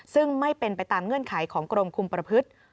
ซึ่งไม่เป็นไปตามเงื่อนไขของกรมคุมประพฤติ